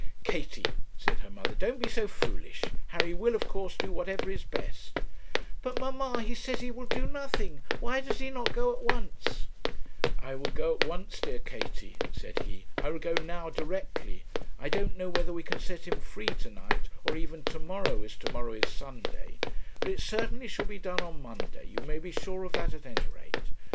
'Katie,' said her mother, 'don't be so foolish. Harry will, of course, do whatever is best.' 'But, mamma, he says he will do nothing; why does he not go at once?' 'I will go at once, dear Katie,' said he; 'I will go now directly. I don't know whether we can set him free to night, or even to morrow, as to morrow is Sunday; but it certainly shall be done on Monday, you may be sure of that at any rate.